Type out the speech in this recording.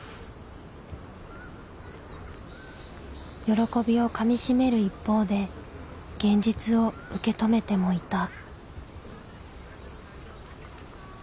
喜びをかみしめる一方で現実を受け止めてもいた。